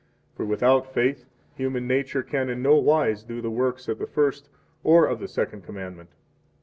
36 For without faith human nature can in no wise do the works of the First or of the Second Commandment.